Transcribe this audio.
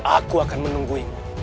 aku akan menungguimu